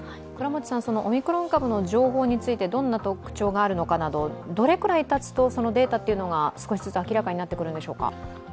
オミクロン株の情報についてどんな特徴があるのかなどどれくらいたつとデータが少しずつ明らかになってくるんでしょうか？